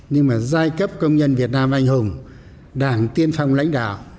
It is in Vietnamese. nhưng mà giai cấp công nhân việt nam anh hùng đảng tiên phong lãnh đạo